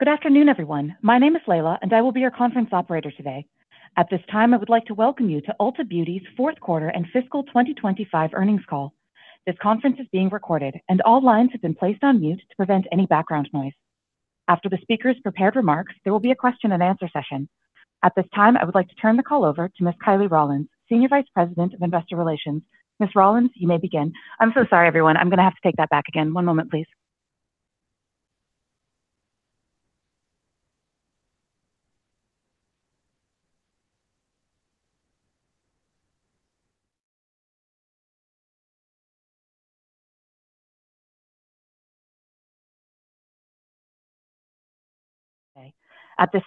Good afternoon, everyone. My name is Layla, and I will be your conference operator today. At this time, I would like to welcome you to Ulta Beauty's fourth quarter and fiscal 2025 earnings call. This conference is being recorded, and all lines have been placed on mute to prevent any background noise. After the speakers' prepared remarks, there will be a question and answer session. At this time, I would like to turn the call over to Ms. Kiley Rawlins, Senior Vice President of Investor Relations. Ms. Rawlins, you may begin. After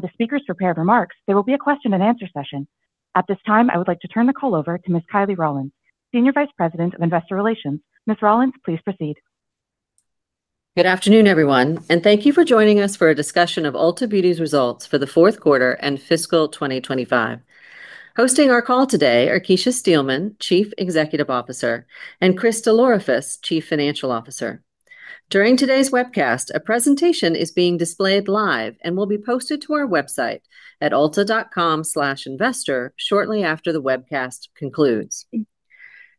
the speakers' prepared remarks, there will be a question and answer session. At this time, I would like to turn the call over to Ms. Kiley Rawlins, Senior Vice President of Investor Relations. Ms. Rawlins, please proceed. Good afternoon, everyone, and thank you for joining us for a discussion of Ulta Beauty's results for the fourth quarter and fiscal 2025. Hosting our call today are Kecia Steelman, Chief Executive Officer, and Christopher DelOrefice, Chief Financial Officer. During today's webcast, a presentation is being displayed live and will be posted to our website at ulta.com/investor shortly after the webcast concludes.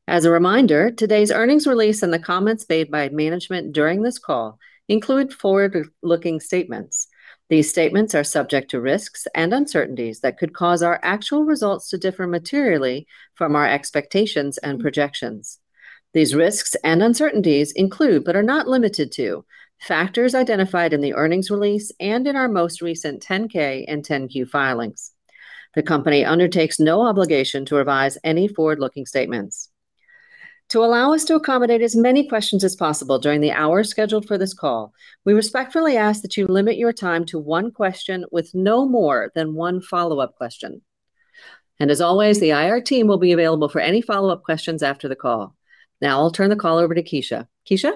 As a reminder, today's earnings release and the comments made by management during this call include forward-looking statements. These statements are subject to risks and uncertainties that could cause our actual results to differ materially from our expectations and projections. These risks and uncertainties include, but are not limited to, factors identified in the earnings release and in our most recent 10-K and 10-Q filings. The company undertakes no obligation to revise any forward-looking statements. To allow us to accommodate as many questions as possible during the hour scheduled for this call, we respectfully ask that you limit your time to one question with no more than one follow-up question. As always, the IR team will be available for any follow-up questions after the call. Now I'll turn the call over to Kecia. Kecia?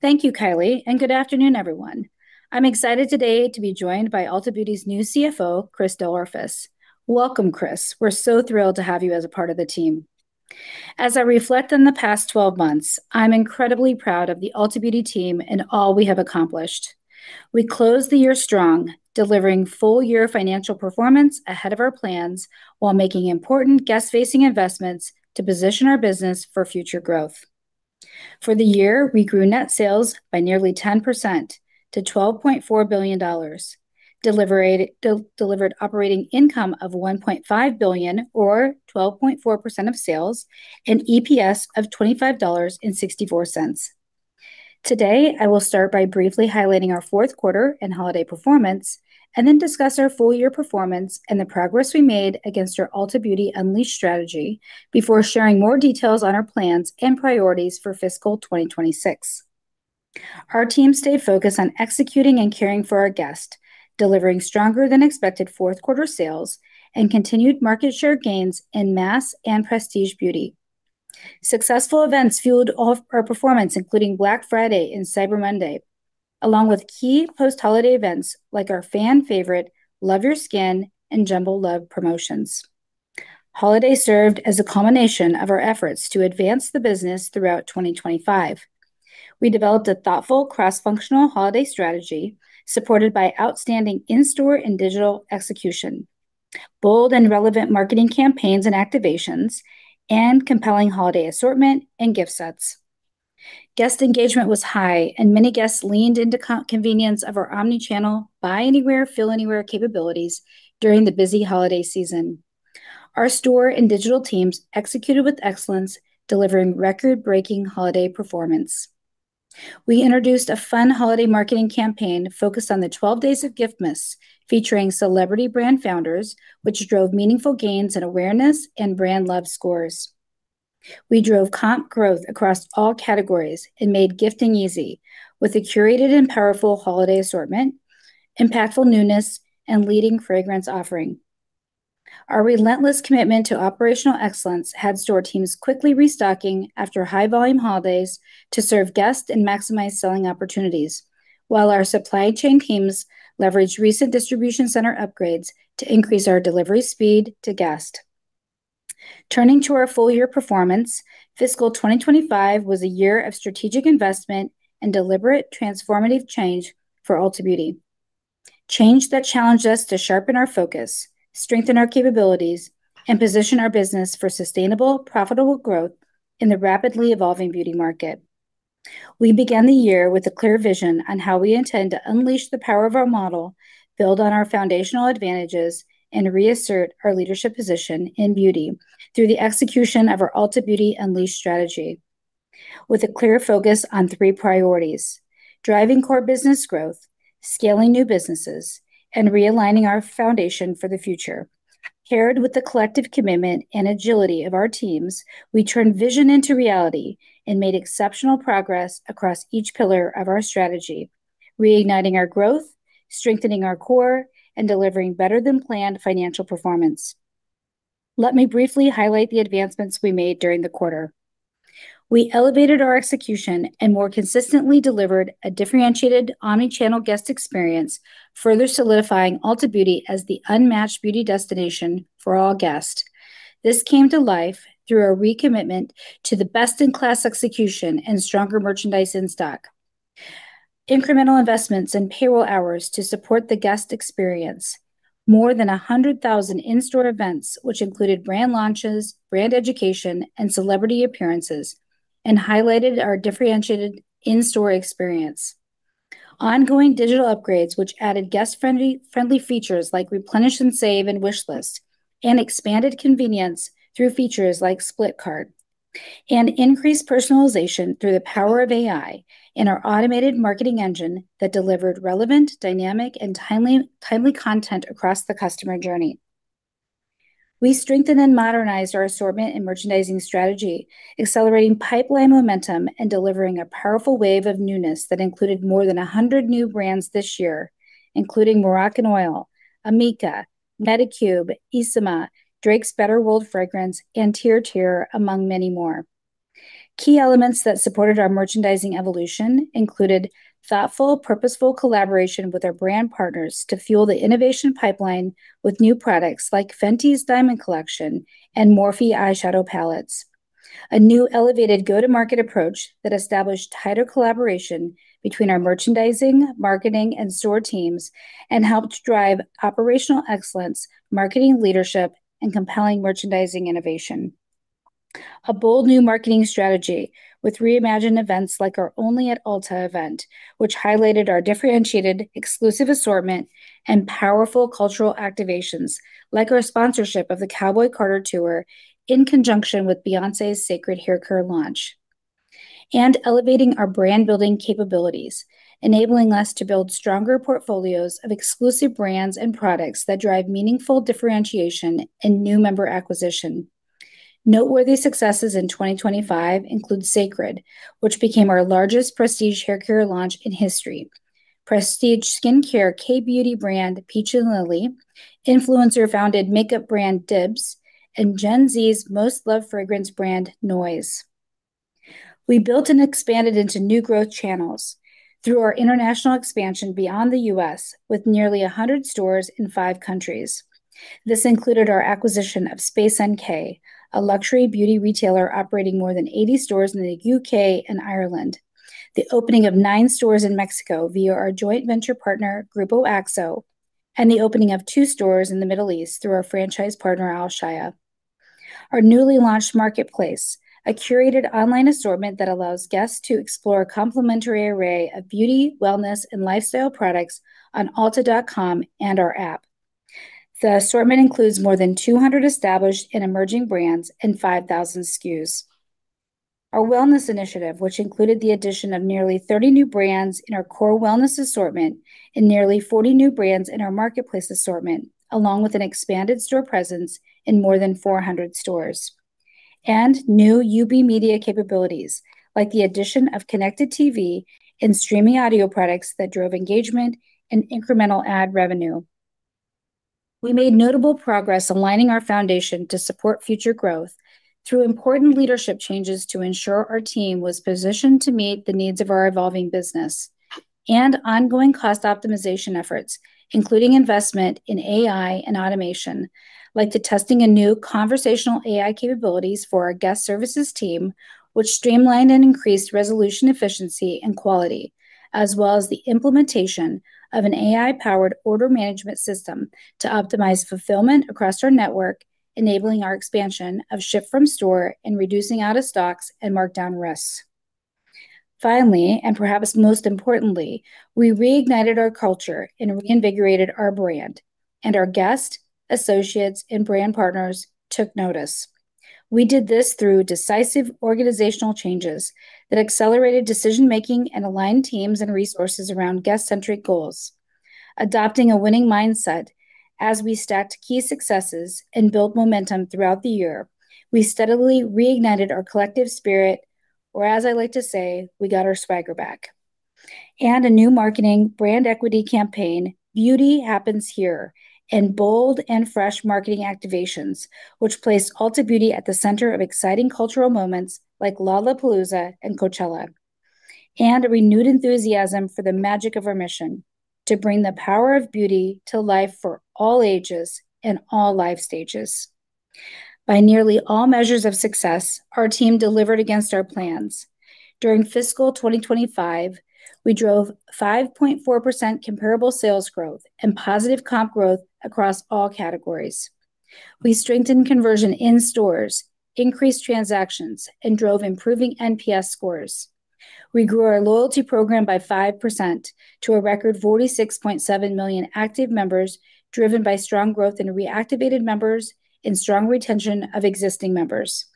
Thank you, Kiley, and good afternoon, everyone. I'm excited today to be joined by Ulta Beauty's new CFO, Chris DelOrefice. Welcome, Chris. We're so thrilled to have you as a part of the team. As I reflect on the past 12 months, I'm incredibly proud of the Ulta Beauty team and all we have accomplished. We closed the year strong, delivering full-year financial performance ahead of our plans while making important guest-facing investments to position our business for future growth. For the year, we grew net sales by nearly 10% to $12.4 billion, delivered operating income of $1.5 billion or 12.4% of sales and EPS of $25.64. Today, I will start by briefly highlighting our fourth quarter and holiday performance and then discuss our full-year performance and the progress we made against our Ulta Beauty Unleashed strategy before sharing more details on our plans and priorities for fiscal 2026. Our team stayed focused on executing and caring for our guests, delivering stronger than expected fourth quarter sales and continued market share gains in mass and prestige beauty. Successful events fueled all of our performance, including Black Friday and Cyber Monday, along with key post-holiday events like our fan favorite Love Your Skin and Jumbo Love promotions. Holiday served as a culmination of our efforts to advance the business throughout 2025. We developed a thoughtful cross-functional holiday strategy supported by outstanding in-store and digital execution, bold and relevant marketing campaigns and activations, and compelling holiday assortment and gift sets. Guest engagement was high, and many guests leaned into convenience of our omni-channel buy anywhere, fill anywhere capabilities during the busy holiday season. Our store and digital teams executed with excellence, delivering record-breaking holiday performance. We introduced a fun holiday marketing campaign focused on the Twelve Days of Giftmas, featuring celebrity brand founders, which drove meaningful gains in awareness and brand love scores. We drove comp growth across all categories and made gifting easy with a curated and powerful holiday assortment, impactful newness, and leading fragrance offering. Our relentless commitment to operational excellence had store teams quickly restocking after high volume holidays to serve guests and maximize selling opportunities, while our supply chain teams leveraged recent distribution center upgrades to increase our delivery speed to guests. Turning to our full-year performance, fiscal 2025 was a year of strategic investment and deliberate transformative change for Ulta Beauty. Change that challenged us to sharpen our focus, strengthen our capabilities, and position our business for sustainable, profitable growth in the rapidly evolving beauty market. We began the year with a clear vision on how we intend to unleash the power of our model, build on our foundational advantages, and reassert our leadership position in beauty through the execution of our Ulta Beauty Unleashed strategy with a clear focus on three priorities, driving core business growth, scaling new businesses, and realigning our foundation for the future. Paired with the collective commitment and agility of our teams, we turned vision into reality and made exceptional progress across each pillar of our strategy, reigniting our growth, strengthening our core, and delivering better than planned financial performance. Let me briefly highlight the advancements we made during the quarter. We elevated our execution and more consistently delivered a differentiated omni-channel guest experience, further solidifying Ulta Beauty as the unmatched beauty destination for all guests. This came to life through a recommitment to the best-in-class execution and stronger merchandise in stock. Incremental investments in payroll hours to support the guest experience. More than 100,000 in-store events, which included brand launches, brand education, and celebrity appearances, and highlighted our differentiated in-store experience. Ongoing digital upgrades, which added guest-friendly features like Replenish and Save and Wishlist, and expanded convenience through features like Split Cart. Increased personalization through the power of AI in our automated marketing engine that delivered relevant, dynamic, and timely content across the customer journey. We strengthened and modernized our assortment and merchandising strategy, accelerating pipeline momentum and delivering a powerful wave of newness that included more than 100 new brands this year, including Moroccanoil, Amika, Medicube, Anua, Drake's Better World fragrance, and TIRTIR, among many more. Key elements that supported our merchandising evolution included thoughtful, purposeful collaboration with our brand partners to fuel the innovation pipeline with new products like Fenty's Diamond Collection and Morphe eyeshadow palettes. A new elevated go-to-market approach that established tighter collaboration between our merchandising, marketing, and store teams and helped drive operational excellence, marketing leadership, and compelling merchandising innovation. A bold new marketing strategy with reimagined events like our Only at Ulta event, which highlighted our differentiated exclusive assortment and powerful cultural activations, like our sponsorship of the Cowboy Carter Tour in conjunction with Beyoncé's Cécred haircare launch. Elevating our brand-building capabilities, enabling us to build stronger portfolios of exclusive brands and products that drive meaningful differentiation and new member acquisition. Noteworthy successes in 2025 include Cécred, which became our largest prestige haircare launch in history, prestige skincare K-beauty brand Peach & Lily, influencer-founded makeup brand DIBS, and Gen Z's most loved fragrance brand Noise. We built and expanded into new growth channels through our international expansion beyond the U.S., with nearly 100 stores in five countries. This included our acquisition of Space NK, a luxury beauty retailer operating more than 80 stores in the U.K. and Ireland. The opening of nine stores in Mexico via our joint venture partner, Grupo Axo, and the opening of two stores in the Middle East through our franchise partner, Alshaya. Our newly launched marketplace, a curated online assortment that allows guests to explore a complimentary array of beauty, wellness, and lifestyle products on ulta.com and our app. The assortment includes more than 200 established and emerging brands and 5,000 SKUs. Our wellness initiative, which included the addition of nearly 30 new brands in our core wellness assortment and nearly 40 new brands in our marketplace assortment, along with an expanded store presence in more than 400 stores. New UB Media capabilities, like the addition of connected TV and streaming audio products that drove engagement and incremental ad revenue. We made notable progress aligning our foundation to support future growth through important leadership changes to ensure our team was positioned to meet the needs of our evolving business. Ongoing cost optimization efforts, including investment in AI and automation, like the testing of new conversational AI capabilities for our guest services team, which streamlined and increased resolution efficiency and quality, as well as the implementation of an AI-powered order management system to optimize fulfillment across our network, enabling our expansion of ship from store and reducing out-of-stocks and markdown risks. Finally, and perhaps most importantly, we reignited our culture and reinvigorated our brand, and our guests, associates, and brand partners took notice. We did this through decisive organizational changes that accelerated decision-making and aligned teams and resources around guest-centric goals. Adopting a winning mindset as we stacked key successes and built momentum throughout the year, we steadily reignited our collective spirit, or as I like to say, we got our swagger back. A new marketing brand equity campaign, Beauty Happens Here, and bold and fresh marketing activations, which placed Ulta Beauty at the center of exciting cultural moments like Lollapalooza and Coachella, and a renewed enthusiasm for the magic of our mission to bring the power of beauty to life for all ages and all life stages. By nearly all measures of success, our team delivered against our plans. During fiscal 2025, we drove 5.4% comparable sales growth and positive comp growth across all categories. We strengthened conversion in stores, increased transactions, and drove improving NPS scores. We grew our loyalty program by 5% to a record 46.7 million active members, driven by strong growth in reactivated members and strong retention of existing members.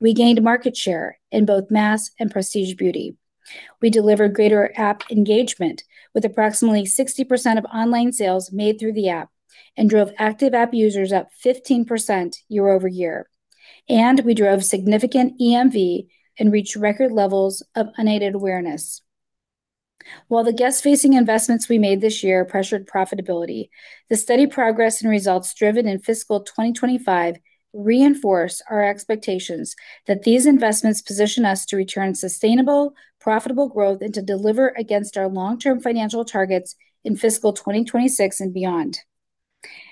We gained market share in both mass and prestige beauty. We delivered greater app engagement with approximately 60% of online sales made through the app and drove active app users up 15% year-over-year. We drove significant EMV and reached record levels of unaided awareness. While the guest-facing investments we made this year pressured profitability, the steady progress and results driven in fiscal 2025 reinforce our expectations that these investments position us to return sustainable, profitable growth and to deliver against our long-term financial targets in fiscal 2026 and beyond.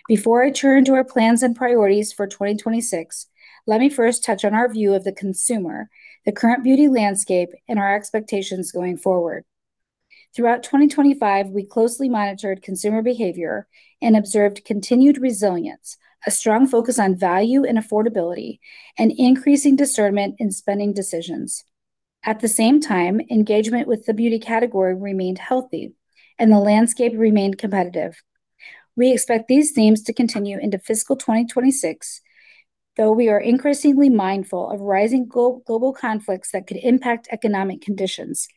Before I turn to our plans and priorities for 2026, let me first touch on our view of the consumer, the current beauty landscape, and our expectations going forward. Throughout 2025, we closely monitored consumer behavior and observed continued resilience, a strong focus on value and affordability, and increasing discernment in spending decisions. At the same time, engagement with the beauty category remained healthy, and the landscape remained competitive. We expect these themes to continue into fiscal 2026, though we are increasingly mindful of rising global conflicts that could impact economic conditions.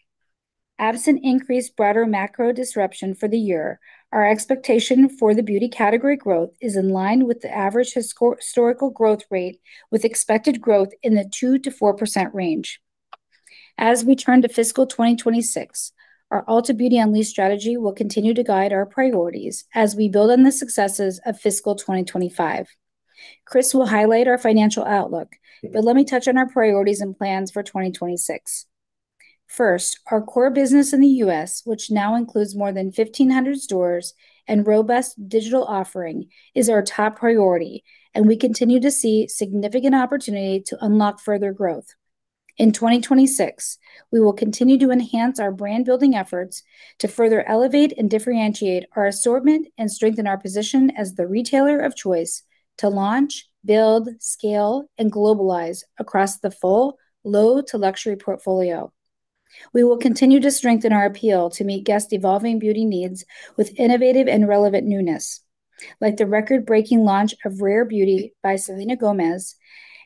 Absent increased broader macro disruption for the year, our expectation for the beauty category growth is in line with the average historical growth rate, with expected growth in the 2%-4% range. As we turn to fiscal 2026, our Ulta Beauty Unleashed strategy will continue to guide our priorities as we build on the successes of fiscal 2025. Chris will highlight our financial outlook, but let me touch on our priorities and plans for 2026. First, our core business in the U.S., which now includes more than 1,500 stores and robust digital offering, is our top priority, and we continue to see significant opportunity to unlock further growth. In 2026, we will continue to enhance our brand-building efforts to further elevate and differentiate our assortment and strengthen our position as the retailer of choice to launch, build, scale, and globalize across the full low to luxury portfolio. We will continue to strengthen our appeal to meet guests' evolving beauty needs with innovative and relevant newness. Like the record-breaking launch of Rare Beauty by Selena Gomez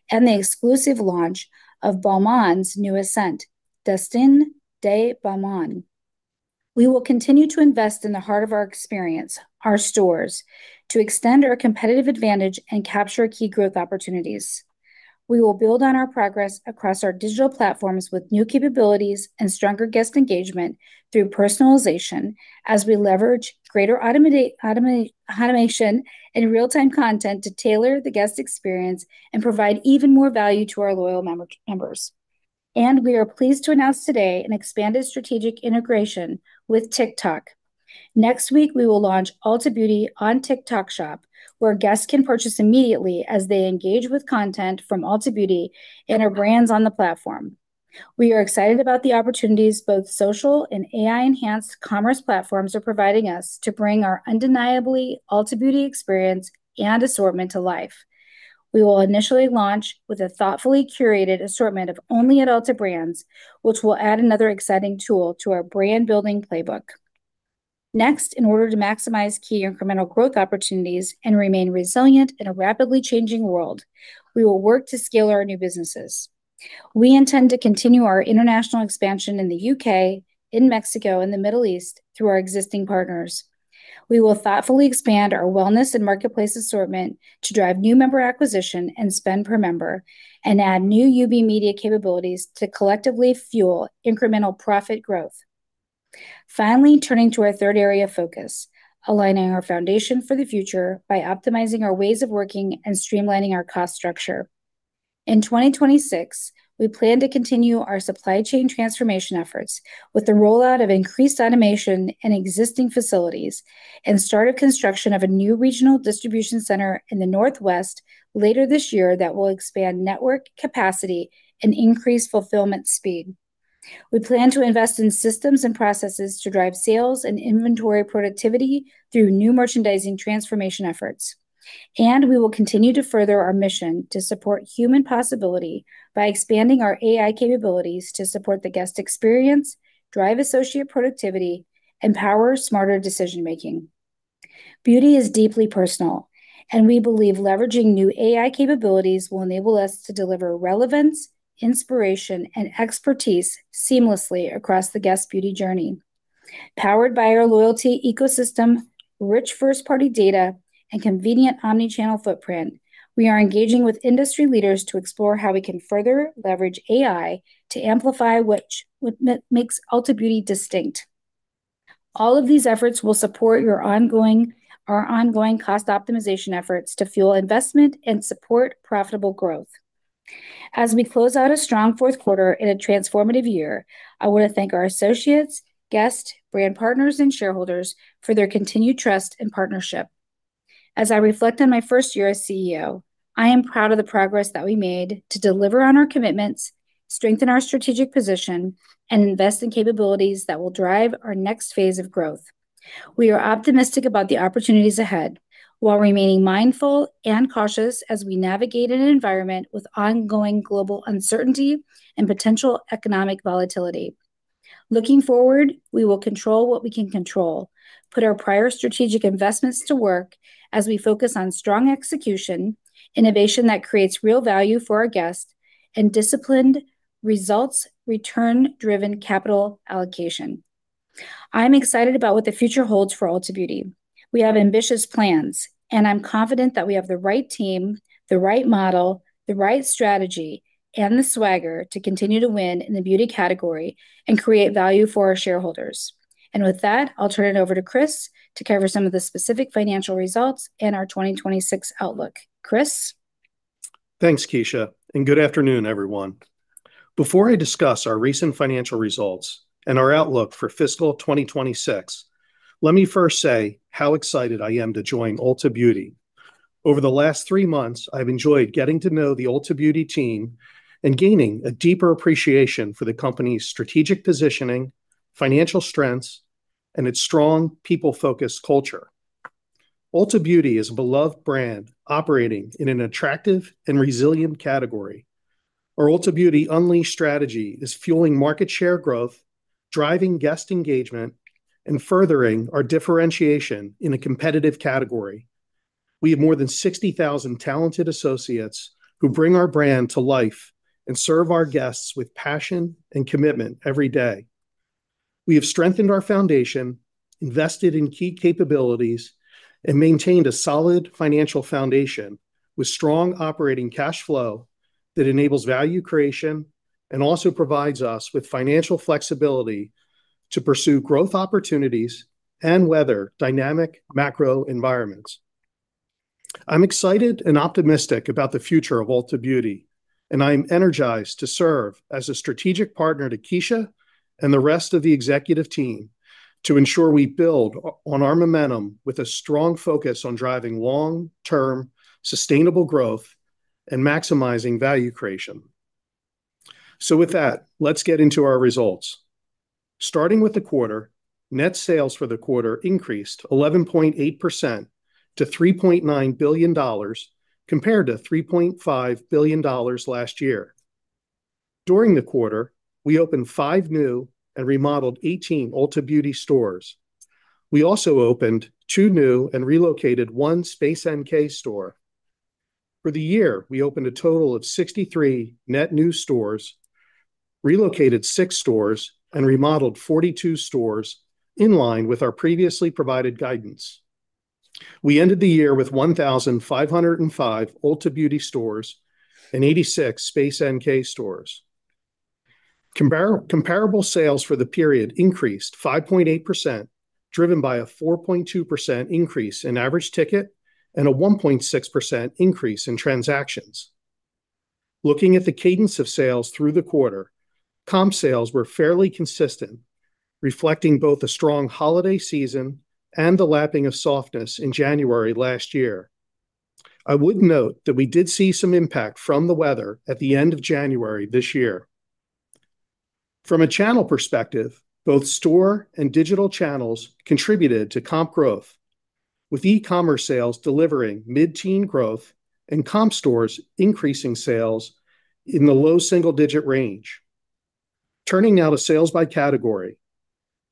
and the exclusive launch of Balmain's newest scent, Destinée de Balmain. We will continue to invest in the heart of our experience, our stores, to extend our competitive advantage and capture key growth opportunities. We will build on our progress across our digital platforms with new capabilities and stronger guest engagement through personalization as we leverage greater automation and real-time content to tailor the guest experience and provide even more value to our loyal members. We are pleased to announce today an expanded strategic integration with TikTok. Next week, we will launch Ulta Beauty on TikTok Shop, where guests can purchase immediately as they engage with content from Ulta Beauty and our brands on the platform. We are excited about the opportunities both social and AI-enhanced commerce platforms are providing us to bring our undeniably Ulta Beauty experience and assortment to life. We will initially launch with a thoughtfully curated assortment of Only at Ulta brands, which will add another exciting tool to our brand-building playbook. Next, in order to maximize key incremental growth opportunities and remain resilient in a rapidly changing world, we will work to scale our new businesses. We intend to continue our international expansion in the U.K., in Mexico, and the Middle East through our existing partners. We will thoughtfully expand our wellness and marketplace assortment to drive new member acquisition and spend per member and add new UB Media capabilities to collectively fuel incremental profit growth. Finally, turning to our third area of focus, aligning our foundation for the future by optimizing our ways of working and streamlining our cost structure. In 2026, we plan to continue our supply chain transformation efforts with the rollout of increased automation in existing facilities and start of construction of a new regional distribution center in the Northwest later this year that will expand network capacity and increase fulfillment speed. We plan to invest in systems and processes to drive sales and inventory productivity through new merchandising transformation efforts. We will continue to further our mission to support human possibility by expanding our AI capabilities to support the guest experience, drive associate productivity, and power smarter decision-making. Beauty is deeply personal, and we believe leveraging new AI capabilities will enable us to deliver relevance, inspiration, and expertise seamlessly across the guest beauty journey. Powered by our loyalty ecosystem, rich first-party data, and convenient omni-channel footprint, we are engaging with industry leaders to explore how we can further leverage AI to amplify what makes Ulta Beauty distinct. All of these efforts will support our ongoing cost optimization efforts to fuel investment and support profitable growth. As we close out a strong fourth quarter and a transformative year, I want to thank our associates, guests, brand partners, and shareholders for their continued trust and partnership. As I reflect on my first year as CEO, I am proud of the progress that we made to deliver on our commitments, strengthen our strategic position, and invest in capabilities that will drive our next phase of growth. We are optimistic about the opportunities ahead while remaining mindful and cautious as we navigate in an environment with ongoing global uncertainty and potential economic volatility. Looking forward, we will control what we can control, put our prior strategic investments to work as we focus on strong execution, innovation that creates real value for our guests, and disciplined results return-driven capital allocation. I'm excited about what the future holds for Ulta Beauty. We have ambitious plans, and I'm confident that we have the right team, the right model, the right strategy, and the swagger to continue to win in the beauty category and create value for our shareholders. With that, I'll turn it over to Chris to cover some of the specific financial results and our 2026 outlook. Chris? Thanks, Kecia, and good afternoon, everyone. Before I discuss our recent financial results and our outlook for fiscal 2026, let me first say how excited I am to join Ulta Beauty. Over the last three months, I've enjoyed getting to know the Ulta Beauty team and gaining a deeper appreciation for the company's strategic positioning, financial strengths, and its strong people-focused culture. Ulta Beauty is a beloved brand operating in an attractive and resilient category. Our Ulta Beauty Unleashed strategy is fueling market share growth, driving guest engagement, and furthering our differentiation in a competitive category. We have more than 60,000 talented associates who bring our brand to life and serve our guests with passion and commitment every day. We have strengthened our foundation, invested in key capabilities, and maintained a solid financial foundation with strong operating cash flow that enables value creation and also provides us with financial flexibility to pursue growth opportunities and weather dynamic macro environments. I'm excited and optimistic about the future of Ulta Beauty, and I am energized to serve as a strategic partner to Kecia and the rest of the executive team to ensure we build on our momentum with a strong focus on driving long-term sustainable growth and maximizing value creation. With that, let's get into our results. Starting with the quarter, net sales for the quarter increased 11.8% to $3.9 billion compared to $3.5 billion last year. During the quarter, we opened five new and remodeled 18 Ulta Beauty stores. We also opened two new and relocated one Space NK store. For the year, we opened a total of 63 net new stores, relocated six stores, and remodeled 42 stores in line with our previously provided guidance. We ended the year with 1,505 Ulta Beauty stores and 86 Space NK stores. Comparable sales for the period increased 5.8%, driven by a 4.2% increase in average ticket and a 1.6% increase in transactions. Looking at the cadence of sales through the quarter, comp sales were fairly consistent, reflecting both a strong holiday season and the lapping of softness in January last year. I would note that we did see some impact from the weather at the end of January this year. From a channel perspective, both store and digital channels contributed to comp growth, with e-commerce sales delivering mid-teen growth and comp stores increasing sales in the low single-digit range. Turning now to sales by category.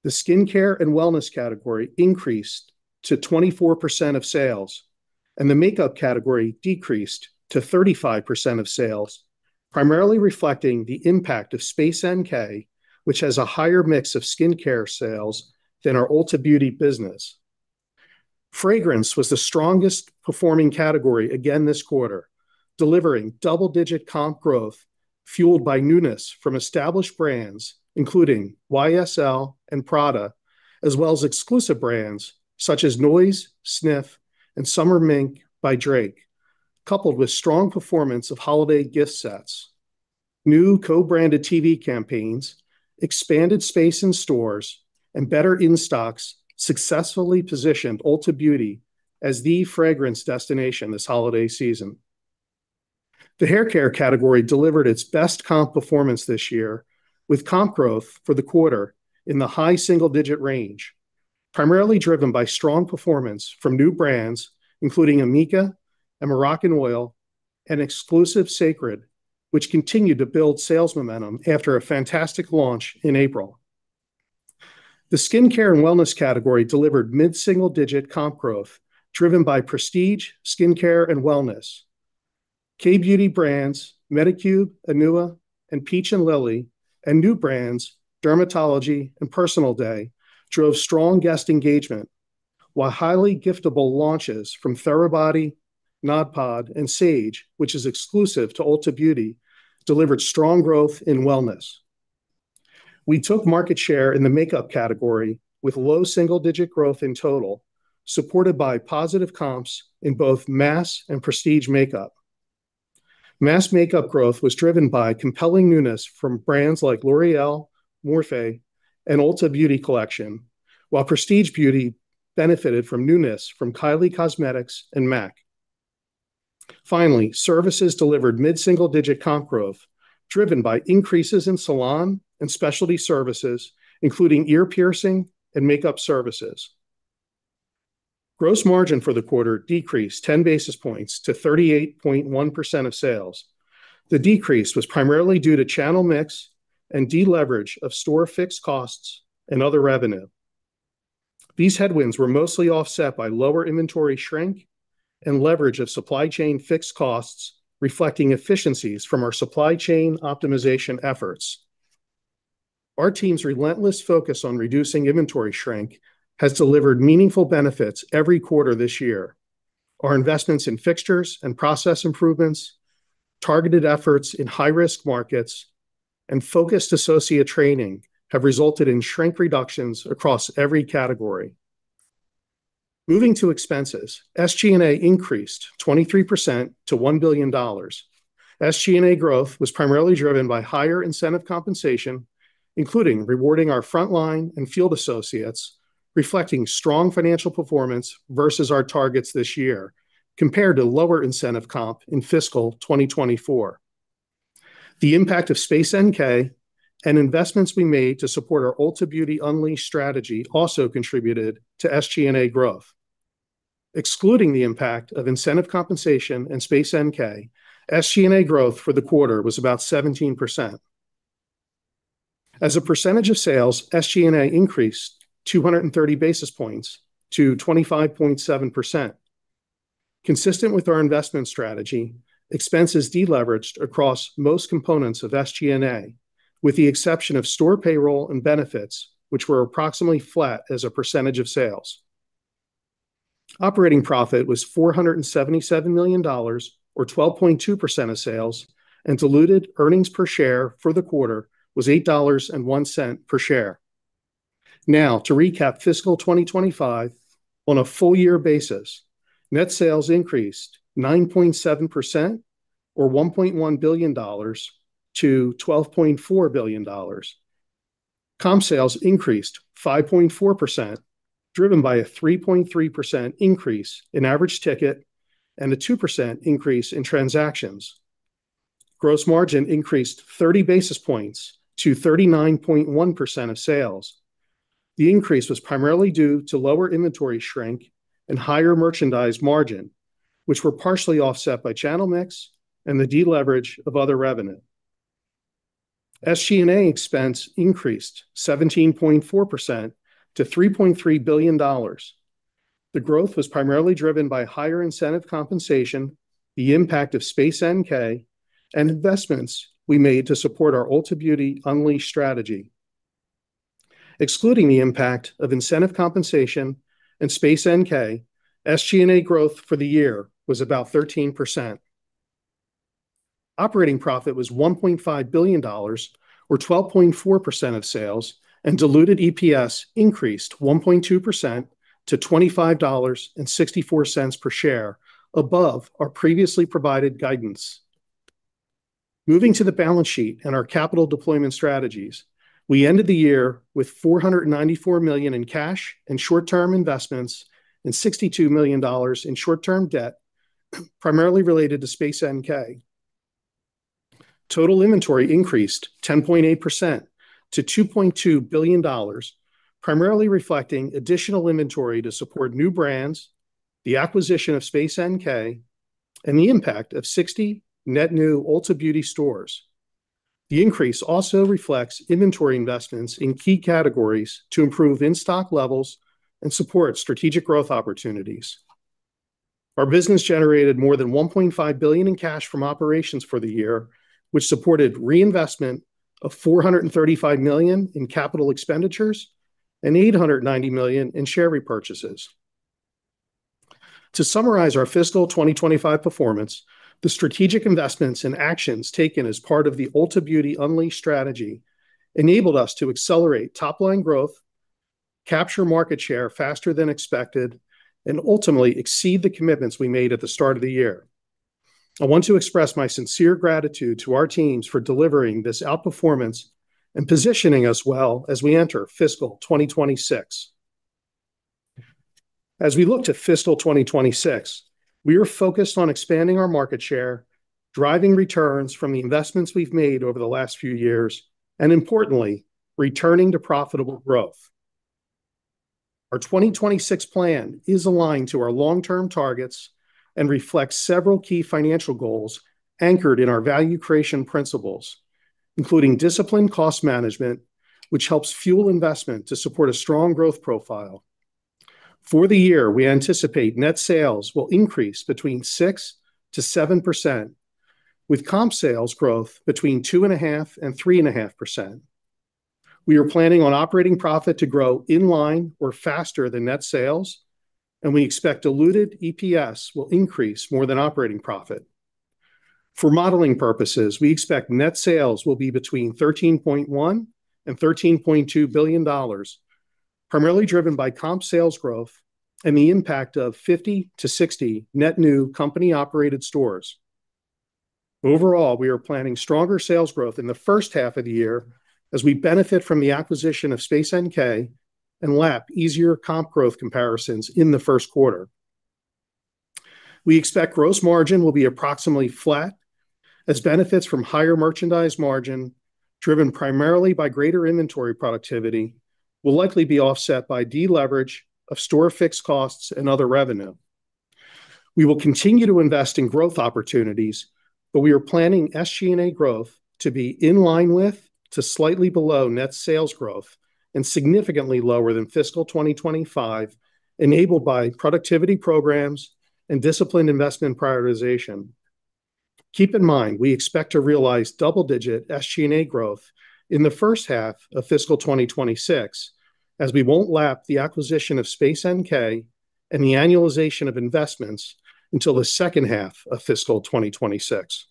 The skincare and wellness category increased to 24% of sales, and the makeup category decreased to 35% of sales, primarily reflecting the impact of Space NK, which has a higher mix of skincare sales than our Ulta Beauty business. Fragrance was the strongest performing category again this quarter, delivering double-digit comp growth fueled by newness from established brands, including YSL and Prada, as well as exclusive brands such as Noise, Snif, and Summer Mink by Drake, coupled with strong performance of holiday gift sets. New co-branded TV campaigns, expanded space in stores, and better in-stocks successfully positioned Ulta Beauty as the fragrance destination this holiday season. The haircare category delivered its best comp performance this year with comp growth for the quarter in the high single-digit % range, primarily driven by strong performance from new brands, including Amika and Moroccanoil and exclusive Cécred, which continued to build sales momentum after a fantastic launch in April. The skincare and wellness category delivered mid-single-digit % comp growth, driven by prestige skincare and wellness K-beauty brands, Medicube, Anua, and Peach & Lily, and new brands, Dermalogica and Personal Day, drove strong guest engagement, while highly giftable launches from Therabody, Nodpod, and Saje, which is exclusive to Ulta Beauty, delivered strong growth in wellness. We took market share in the makeup category with low single-digit % growth in total, supported by positive comps in both mass and prestige makeup. Mass makeup growth was driven by compelling newness from brands like L'Oréal, Morphe, and Ulta Beauty Collection, while prestige beauty benefited from newness from Kylie Cosmetics and MAC. Finally, services delivered mid-single-digit comp growth, driven by increases in salon and specialty services, including ear piercing and makeup services. Gross margin for the quarter decreased 10 basis points to 38.1% of sales. The decrease was primarily due to channel mix and deleverage of store fixed costs and other revenue. These headwinds were mostly offset by lower inventory shrink and leverage of supply chain fixed costs, reflecting efficiencies from our supply chain optimization efforts. Our team's relentless focus on reducing inventory shrink has delivered meaningful benefits every quarter this year. Our investments in fixtures and process improvements, targeted efforts in high-risk markets, and focused associate training have resulted in shrink reductions across every category. Moving to expenses, SG&A increased 23% to $1 billion. SG&A growth was primarily driven by higher incentive compensation, including rewarding our frontline and field associates, reflecting strong financial performance versus our targets this year, compared to lower incentive comp in fiscal 2024. The impact of Space NK and investments we made to support our Ulta Beauty Unleashed strategy also contributed to SG&A growth. Excluding the impact of incentive compensation and Space NK, SG&A growth for the quarter was about 17%. As a percentage of sales, SG&A increased 230 basis points to 25.7%. Consistent with our investment strategy, expenses deleveraged across most components of SG&A, with the exception of store payroll and benefits, which were approximately flat as a percentage of sales. Operating profit was $477 million, or 12.2% of sales, and diluted earnings per share for the quarter was $8.01 per share. Now to recap fiscal 2025 on a full year basis, net sales increased 9.7%, or $1.1 billion-$12.4 billion. Comp sales increased 5.4%, driven by a 3.3% increase in average ticket and a 2% increase in transactions. Gross margin increased 30 basis points to 39.1% of sales. The increase was primarily due to lower inventory shrink and higher merchandise margin, which were partially offset by channel mix and the deleverage of other revenue. SG&A expense increased 17.4% to $3.3 billion. The growth was primarily driven by higher incentive compensation, the impact of Space NK, and investments we made to support our Ulta Beauty Unleashed strategy. Excluding the impact of incentive compensation and Space NK, SG&A growth for the year was about 13%. Operating profit was $1.5 billion, or 12.4% of sales, and diluted EPS increased 1.2% to $25.64 per share, above our previously provided guidance. Moving to the balance sheet and our capital deployment strategies, we ended the year with $494 million in cash and short-term investments and $62 million in short-term debt, primarily related to Space NK. Total inventory increased 10.8% to $2.2 billion, primarily reflecting additional inventory to support new brands, the acquisition of Space NK, and the impact of 60 net new Ulta Beauty stores. The increase also reflects inventory investments in key categories to improve in-stock levels and support strategic growth opportunities. Our business generated more than $1.5 billion in cash from operations for the year, which supported reinvestment of $435 million in capital expenditures and $890 million in share repurchases. To summarize our fiscal 2025 performance, the strategic investments and actions taken as part of the Ulta Beauty Unleashed strategy enabled us to accelerate top-line growth, capture market share faster than expected, and ultimately exceed the commitments we made at the start of the year. I want to express my sincere gratitude to our teams for delivering this outperformance and positioning us well as we enter fiscal 2026. As we look to fiscal 2026, we are focused on expanding our market share, driving returns from the investments we've made over the last few years, and importantly, returning to profitable growth. Our 2026 plan is aligned to our long-term targets and reflects several key financial goals anchored in our value creation principles, including disciplined cost management, which helps fuel investment to support a strong growth profile. For the year, we anticipate net sales will increase between 6%-7%, with comp sales growth between 2.5%-3.5%. We are planning on operating profit to grow in line or faster than net sales, and we expect diluted EPS will increase more than operating profit. For modeling purposes, we expect net sales will be between $13.1 billion-$13.2 billion, primarily driven by comp sales growth and the impact of 50-60 net new company-operated stores. Overall, we are planning stronger sales growth in the first half of the year as we benefit from the acquisition of Space NK and lap easier comp growth comparisons in the first quarter. We expect gross margin will be approximately flat as benefits from higher merchandise margin, driven primarily by greater inventory productivity, will likely be offset by deleverage of store fixed costs and other revenue. We will continue to invest in growth opportunities, but we are planning SG&A growth to be in line with to slightly below net sales growth and significantly lower than fiscal 2025, enabled by productivity programs and disciplined investment prioritization. Keep in mind, we expect to realize double-digit SG&A growth in the first half of fiscal 2026, as we won't lap the acquisition of Space NK and the annualization of investments until the second half of fiscal 2026.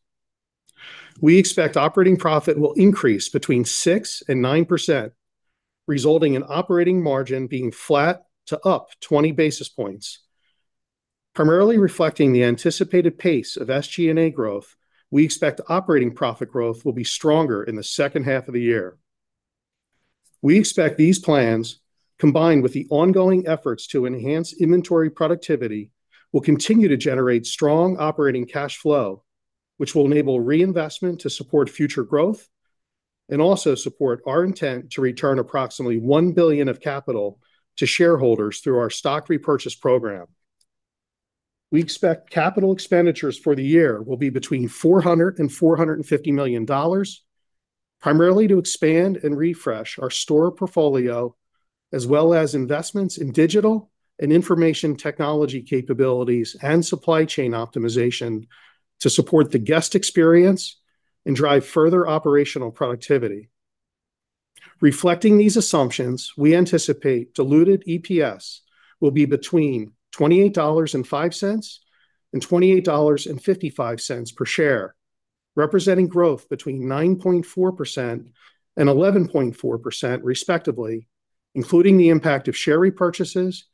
We expect operating profit will increase between 6% and 9%, resulting in operating margin being flat to up 20 basis points. Primarily reflecting the anticipated pace of SG&A growth, we expect operating profit growth will be stronger in the second half of the year. We expect these plans, combined with the ongoing efforts to enhance inventory productivity, will continue to generate strong operating cash flow, which will enable reinvestment to support future growth and also support our intent to return approximately $1 billion of capital to shareholders through our stock repurchase program. We expect capital expenditures for the year will be between $400 million and $450 million, primarily to expand and refresh our store portfolio, as well as investments in digital and information technology capabilities and supply chain optimization to support the guest experience and drive further operational productivity. Reflecting these assumptions, we anticipate diluted EPS will be between $28.05 and $28.55 per share, representing growth between 9.4% and 11.4% respectively, including the impact of share repurchases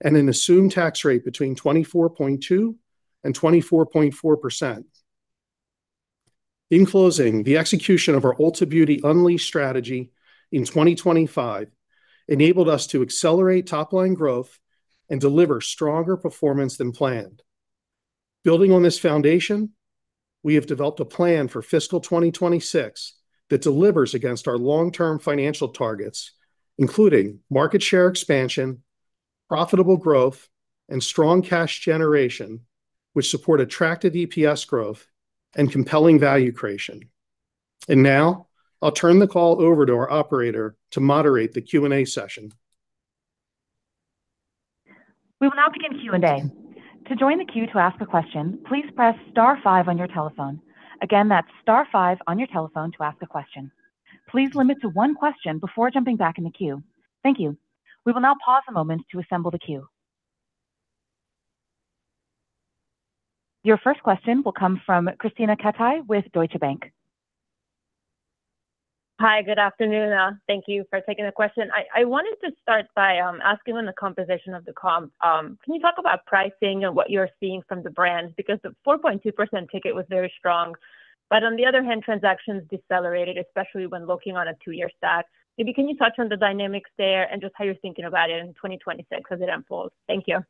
and an assumed tax rate between 24.2% and 24.4%. In closing, the execution of our Ulta Beauty Unleashed strategy in 2025 enabled us to accelerate top-line growth and deliver stronger performance than planned. Building on this foundation, we have developed a plan for fiscal 2026 that delivers against our long-term financial targets, including market share expansion, profitable growth, and strong cash generation, which support attractive EPS growth and compelling value creation. Now I'll turn the call over to our operator to moderate the Q&A session. We will now begin Q&A. To join the queue to ask a question, please press star five on your telephone. Again, that's star five on your telephone to ask a question. Please limit to one question before jumping back in the queue. Thank you. We will now pause a moment to assemble the queue. Your first question will come from Krisztina Katai with Deutsche Bank. Hi, good afternoon. Thank you for taking the question. I wanted to start by asking on the composition of the comp. Can you talk about pricing and what you're seeing from the brands? Because the 4.2% ticket was very strong, but on the other hand, transactions decelerated, especially when looking on a two-year stack. Maybe can you touch on the dynamics there and just how you're thinking about it in 2026 as it unfolds? Thank you.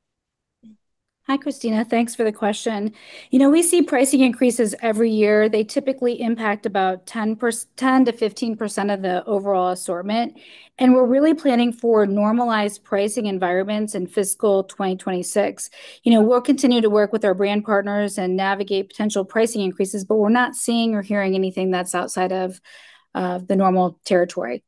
Hi, Christina. Thanks for the question. You know, we see pricing increases every year. They typically impact about 10%-15% of the overall assortment, and we're really planning for normalized pricing environments in fiscal 2026. You know, we'll continue to work with our brand partners and navigate potential pricing increases, but we're not seeing or hearing anything that's outside of the normal territory.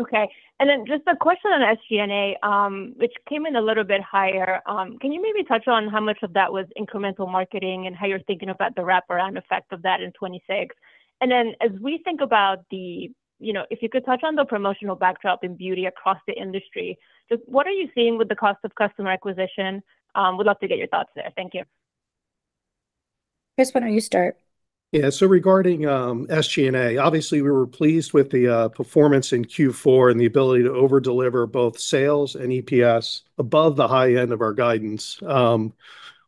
Okay. Then just a question on SG&A, which came in a little bit higher. Can you maybe touch on how much of that was incremental marketing and how you're thinking about the wraparound effect of that in 2026? As we think about, you know, if you could touch on the promotional backdrop in beauty across the industry, just what are you seeing with the cost of customer acquisition? Would love to get your thoughts there. Thank you. Chris, why don't you start? Yeah. Regarding SG&A, obviously, we were pleased with the performance in Q4 and the ability to over-deliver both sales and EPS above the high end of our guidance.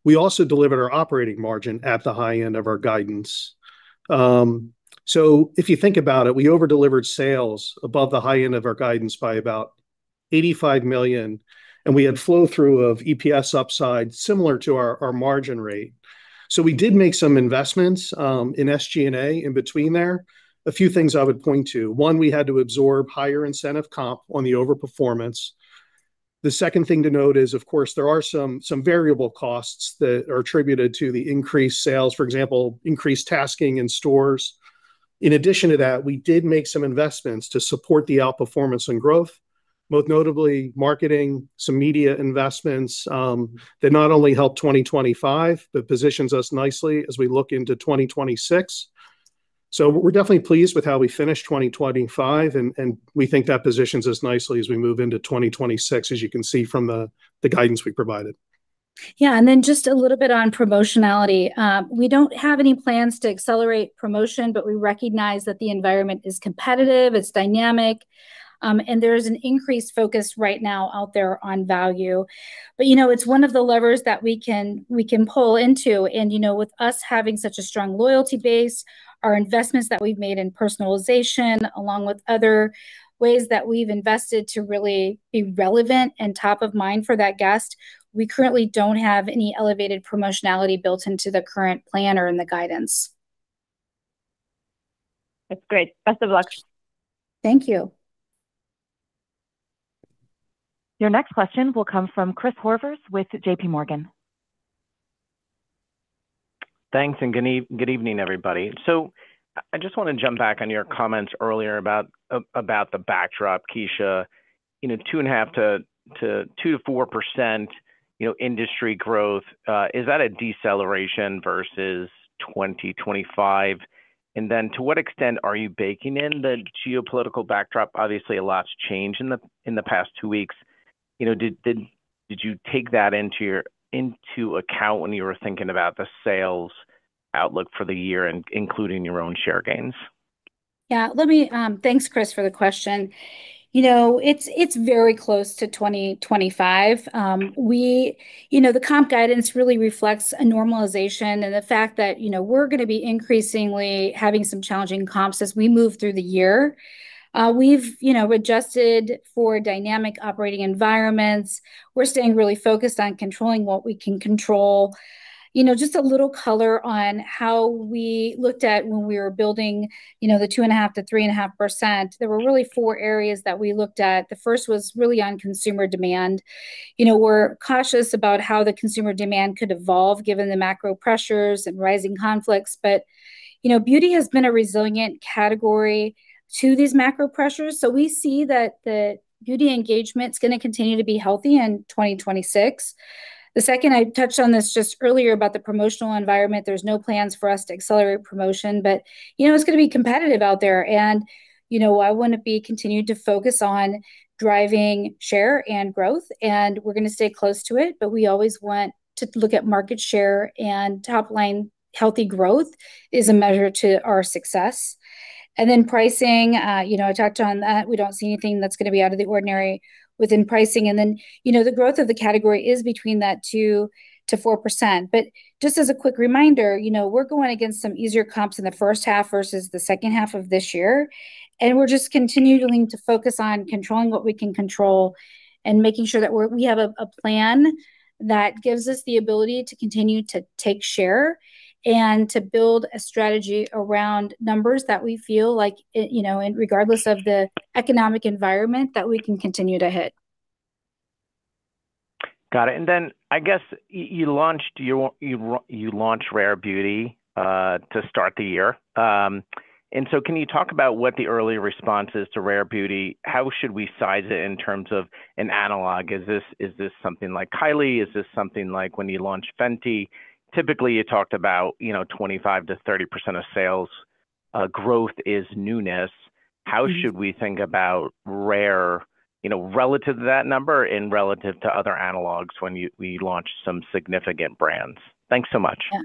We also delivered our operating margin at the high end of our guidance. If you think about it, we over-delivered sales above the high end of our guidance by about $85 million, and we had flow-through of EPS upside similar to our margin rate. We did make some investments in SG&A in between there. A few things I would point to. One, we had to absorb higher incentive comp on the over-performance. The second thing to note is, of course, there are some variable costs that are attributed to the increased sales, for example, increased tasking in stores. In addition to that, we did make some investments to support the outperformance and growth, most notably marketing, some media investments, that not only helped 2025, but positions us nicely as we look into 2026. We're definitely pleased with how we finished 2025 and we think that positions us nicely as we move into 2026, as you can see from the guidance we provided. Yeah. Just a little bit on promotionality. We don't have any plans to accelerate promotion, but we recognize that the environment is competitive, it's dynamic, and there is an increased focus right now out there on value. You know, it's one of the levers that we can pull into. You know, with us having such a strong loyalty base, our investments that we've made in personalization, along with other ways that we've invested to really be relevant and top of mind for that guest, we currently don't have any elevated promotionality built into the current plan or in the guidance. That's great. Best of luck. Thank you. Your next question will come from Christopher Horvers with JP Morgan. Thanks and good evening, everybody. I just want to jump back on your comments earlier about the backdrop, Kecia. You know, 2.5% to 2%-4%, you know, industry growth. Is that a deceleration versus 2025? To what extent are you baking in the geopolitical backdrop? Obviously, a lot's changed in the past two weeks. You know, did you take that into account when you were thinking about the sales outlook for the year, including your own share gains? Thanks, Chris, for the question. You know, it's very close to 2025. You know, the comp guidance really reflects a normalization and the fact that, you know, we're gonna be increasingly having some challenging comps as we move through the year. We've, you know, adjusted for dynamic operating environments. We're staying really focused on controlling what we can control. You know, just a little color on how we looked at when we were building, you know, the 2.5%-3.5%, there were really four areas that we looked at. The first was really on consumer demand. You know, we're cautious about how the consumer demand could evolve given the macro pressures and rising conflicts. You know, beauty has been a resilient category to these macro pressures. We see that the beauty engagement's gonna continue to be healthy in 2026. The second, I touched on this just earlier about the promotional environment. There's no plans for us to accelerate promotion, but, you know, it's gonna be competitive out there. You know, I wanna be continuing to focus on driving share and growth, and we're gonna stay close to it. We always want to look at market share and top line healthy growth is a measure to our success. Then pricing, you know, I touched on that. We don't see anything that's gonna be out of the ordinary within pricing. Then, you know, the growth of the category is between that 2%-4%. Just as a quick reminder, you know, we're going against some easier comps in the first half versus the second half of this year. We're just continuing to focus on controlling what we can control and making sure that we have a plan that gives us the ability to continue to take share and to build a strategy around numbers that we feel like, you know, regardless of the economic environment, that we can continue to hit. Got it. I guess you launched Rare Beauty to start the year. Can you talk about what the early response is to Rare Beauty? How should we size it in terms of an analog? Is this something like Kylie? Is this something like when you launched Fenty? Typically, you talked about, you know, 25%-30% of sales growth is newness. Mm-hmm. How should we think about Rare, you know, relative to that number and relative to other analogs when we launch some significant brands? Thanks so much. Yeah.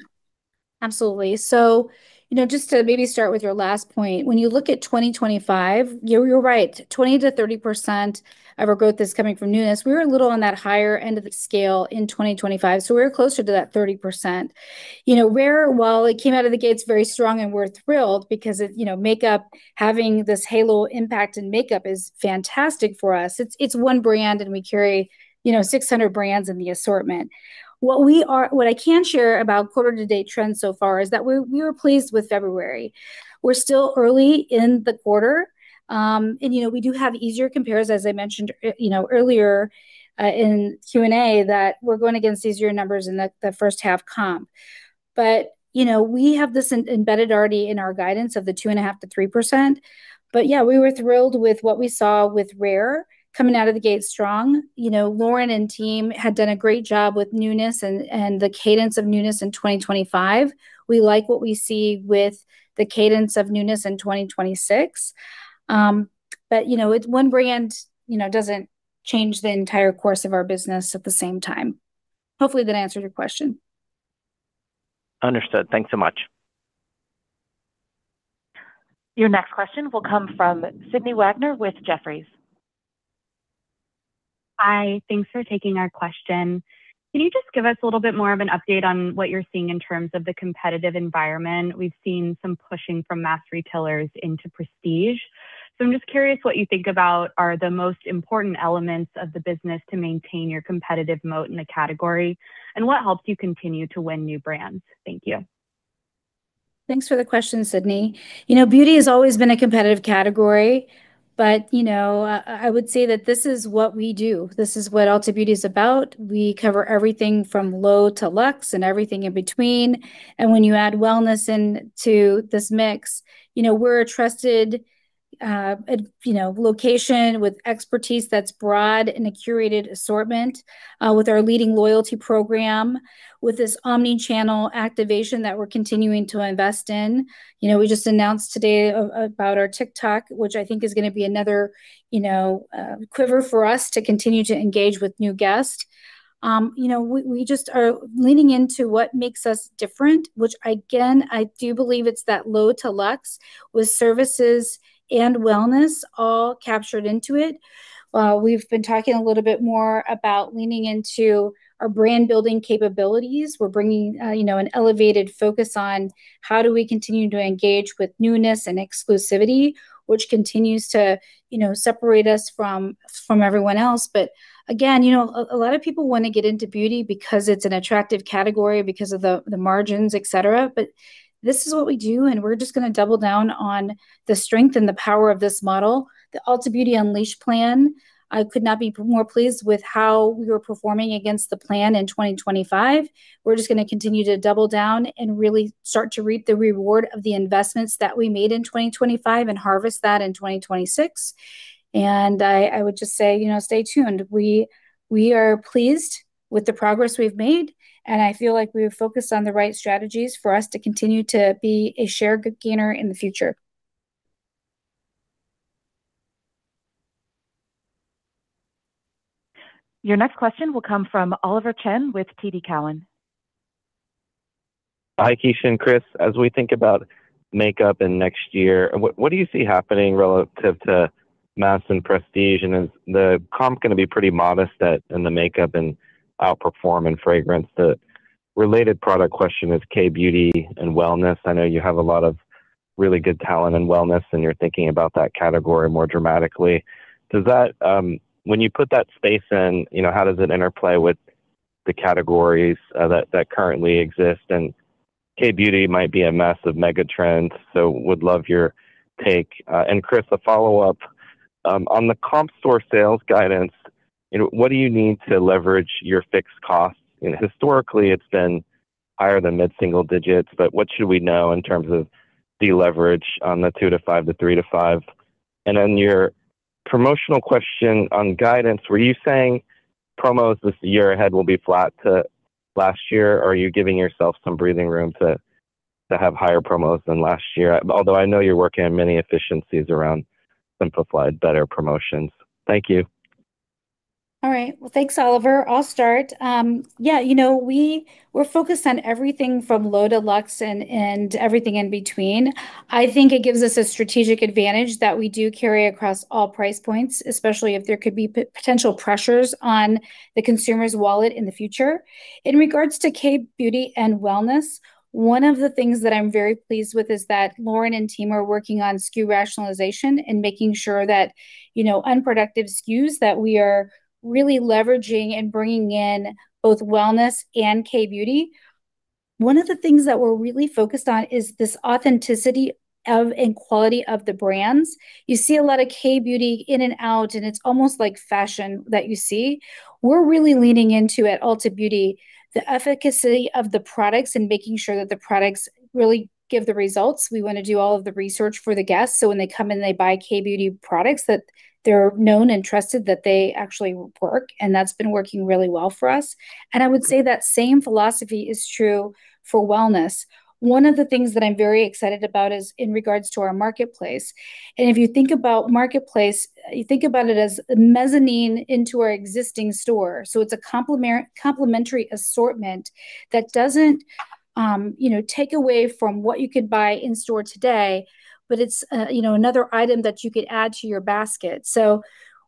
Absolutely. You know, just to maybe start with your last point, when you look at 2025, you're right. 20%-30% of our growth is coming from newness. We were a little on that higher end of the scale in 2025, so we were closer to that 30%. You know, Rare, while it came out of the gates very strong, and we're thrilled because it, you know, makeup, having this halo impact in makeup is fantastic for us. It's one brand, and we carry, you know, 600 brands in the assortment. What I can share about quarter to date trends so far is that we were pleased with February. We're still early in the quarter, and you know, we do have easier compares, as I mentioned, you know, earlier in Q&A, that we're going against easier numbers in the first half comp. You know, we have this embedded already in our guidance of 2.5%-3%. Yeah, we were thrilled with what we saw with Rare coming out of the gate strong. You know, Lauren and team had done a great job with newness and the cadence of newness in 2025. We like what we see with the cadence of newness in 2026. You know, it's one brand, you know, doesn't change the entire course of our business at the same time. Hopefully that answers your question. Understood. Thanks so much. Your next question will come from Sydney Wagner with Jefferies. Hi. Thanks for taking our question. Can you just give us a little bit more of an update on what you're seeing in terms of the competitive environment? We've seen some pushing from mass retailers into prestige. I'm just curious what you think are the most important elements of the business to maintain your competitive moat in the category, and what helps you continue to win new brands. Thank you. Thanks for the question, Sydney. You know, beauty has always been a competitive category, but, you know, I would say that this is what we do. This is what Ulta Beauty is about. We cover everything from low to luxe and everything in between. When you add wellness into this mix, you know, we're a trusted location with expertise that's broad and a curated assortment with our leading loyalty program, with this omni-channel activation that we're continuing to invest in. You know, we just announced today about our TikTok, which I think is gonna be another quiver for us to continue to engage with new guests. You know, we just are leaning into what makes us different, which again, I do believe it's that low to luxe with services and wellness all captured into it. We've been talking a little bit more about leaning into our brand-building capabilities. We're bringing, you know, an elevated focus on how do we continue to engage with newness and exclusivity, which continues to, you know, separate us from everyone else. Again, you know, a lot of people want to get into beauty because it's an attractive category because of the margins, et cetera. This is what we do, and we're just gonna double down on the strength and the power of this model. The Ulta Beauty Unleashed plan, I could not be more pleased with how we were performing against the plan in 2025. We're just gonna continue to double down and really start to reap the reward of the investments that we made in 2025 and harvest that in 2026. I would just say, you know, stay tuned. We are pleased with the progress we've made, and I feel like we're focused on the right strategies for us to continue to be a share gainer in the future. Your next question will come from Oliver Chen with TD Cowen. Hi, Keisha and Chris. As we think about makeup in next year, what do you see happening relative to mass and prestige? Is the comp gonna be pretty modest in the makeup and outperform in fragrance? The related product question is K-beauty and wellness. I know you have a lot of really good talent in wellness, and you're thinking about that category more dramatically. When you put that space in, you know, how does it interplay with the categories that currently exist? K-beauty might be a massive mega-trend, so would love your take. Chris, a follow-up. On the comp store sales guidance, you know, what do you need to leverage your fixed costs? You know, historically it's been higher than mid-single digits, but what should we know in terms of deleverage on the 2-5 to 3-5? On your promotional question on guidance, were you saying promos this year ahead will be flat to last year? Are you giving yourself some breathing room to have higher promos than last year? Although I know you're working on many efficiencies around simplified better promotions. Thank you. All right. Well, thanks, Oliver. I'll start. Yeah, you know, we're focused on everything from low to luxe and everything in between. I think it gives us a strategic advantage that we do carry across all price points, especially if there could be potential pressures on the consumer's wallet in the future. In regards to K beauty and wellness, one of the things that I'm very pleased with is that Lauren and team are working on SKU rationalization and making sure that, you know, unproductive SKUs that we are really leveraging and bringing in both wellness and K beauty. One of the things that we're really focused on is this authenticity of and quality of the brands. You see a lot of K beauty in and out, and it's almost like fashion that you see. We're really leaning into, at Ulta Beauty, the efficacy of the products and making sure that the products really give the results. We wanna do all of the research for the guests, so when they come in and they buy K-beauty products, that they're known and trusted that they actually work, and that's been working really well for us. I would say that same philosophy is true for wellness. One of the things that I'm very excited about is in regards to our marketplace. If you think about marketplace, you think about it as a mezzanine into our existing store. It's a complementary assortment that doesn't, you know, take away from what you could buy in store today, but it's, you know, another item that you could add to your basket.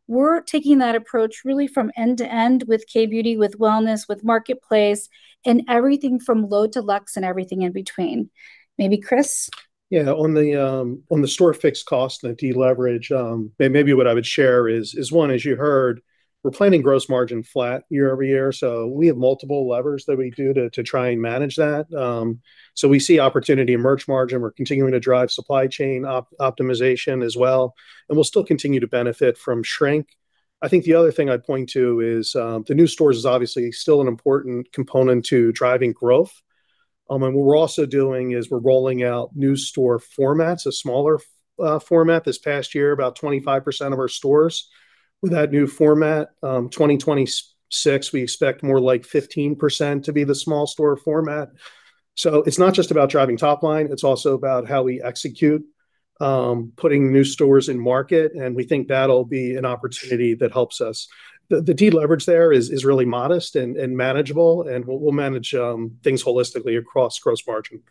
We're taking that approach really from end to end with K-beauty, with wellness, with marketplace, and everything from low to luxe and everything in between. Maybe Chris. Yeah. On the store fixed cost and the deleverage, maybe what I would share is one, as you heard, we're planning gross margin flat year-over-year, so we have multiple levers that we do to try and manage that. So we see opportunity in merch margin. We're continuing to drive supply chain optimization as well, and we'll still continue to benefit from shrink. I think the other thing I'd point to is the new stores is obviously still an important component to driving growth. What we're also doing is we're rolling out new store formats, a smaller format this past year, about 25% of our stores with that new format. 2026, we expect more like 15% to be the small store format. It's not just about driving top line, it's also about how we execute, putting new stores in market, and we think that'll be an opportunity that helps us. The deleverage there is really modest and manageable, and we'll manage things holistically across gross margin.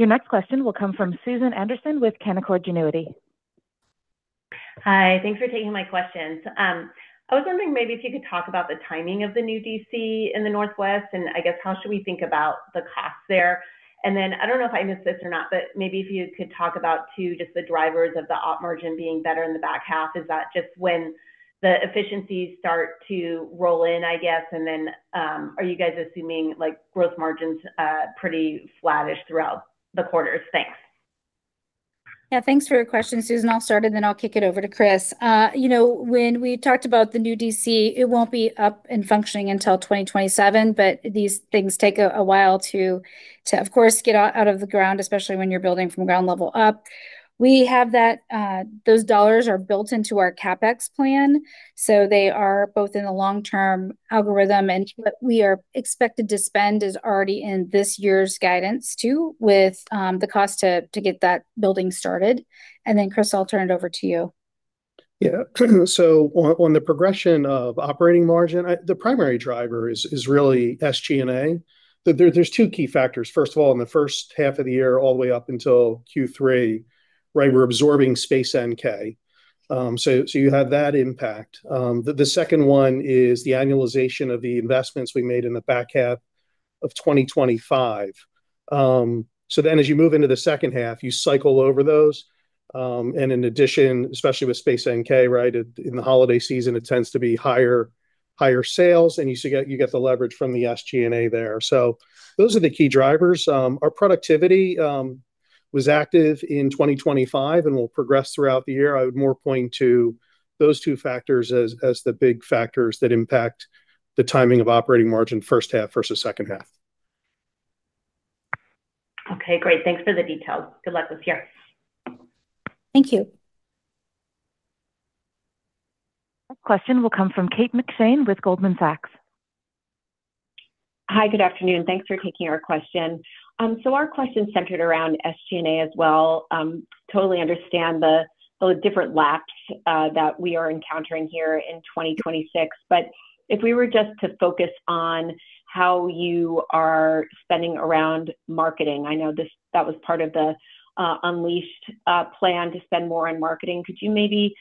Your next question will come from Susan Anderson with Canaccord Genuity. Hi. Thanks for taking my questions. I was wondering maybe if you could talk about the timing of the new DC in the Northwest, and I guess how should we think about the costs there. I don't know if I missed this or not, but maybe if you could talk about too just the drivers of the op margin being better in the back half. Is that just when the efficiencies start to roll in, I guess? Are you guys assuming like gross margins pretty flattish throughout the quarters? Thanks. Yeah. Thanks for your question, Susan. I'll start, and then I'll kick it over to Chris. You know, when we talked about the new DC, it won't be up and functioning until 2027, but these things take a while to of course get out of the ground, especially when you're building from ground level up. We have that. Those dollars are built into our CapEx plan, so they are both in the long-term algorithm. What we are expected to spend is already in this year's guidance too with the cost to get that building started. Chris, I'll turn it over to you. On the progression of operating margin, the primary driver is really SG&A. There are two key factors. First of all, in the first half of the year, all the way up until Q3, right, we are absorbing Space NK. So you have that impact. The second one is the annualization of the investments we made in the back half of 2025. So then as you move into the second half, you cycle over those. And in addition, especially with Space NK, right, in the holiday season, it tends to be higher sales, and you get the leverage from the SG&A there. Those are the key drivers. Our productivity was active in 2025 and will progress throughout the year. I would more point to those two factors as the big factors that impact the timing of operating margin first half versus second half. Okay. Great. Thanks for the details. Good luck this year. Thank you. Next question will come from Kate McShane with Goldman Sachs. Hi. Good afternoon. Thanks for taking our question. Our question's centered around SG&A as well. Totally understand the different laps that we are encountering here in 2026. If we were just to focus on how you are spending around marketing, I know that was part of the Unleashed plan to spend more on marketing. Could you maybe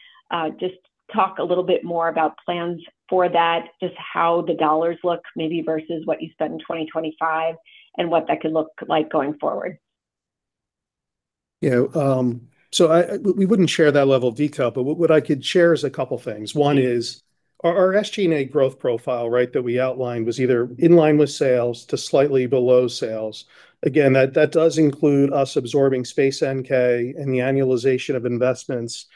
just talk a little bit more about plans for that, just how the dollars look maybe versus what you spent in 2025, and what that could look like going forward? Yeah, we wouldn't share that level of detail, but what I could share is a couple things. One is our SG&A growth profile, right, that we outlined was either in line with sales to slightly below sales. Again, that does include us absorbing Space NK and the annualization of investments.